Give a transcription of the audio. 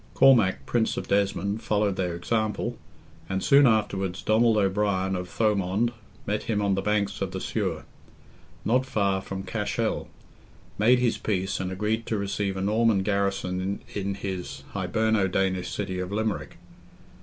Cormac, Prince of Desmond, followed their example, and soon afterwards Donald O'Brien of Thomond met him on the banks of the Suir, not far from Cashel, made his peace, and agreed to receive a Norman garrison in his Hiberno Danish city of Limerick.